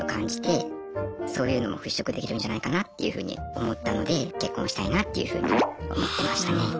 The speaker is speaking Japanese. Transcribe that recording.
そういうのも払拭できるんじゃないかなっていうふうに思ったので結婚したいなっていうふうに思ってましたね。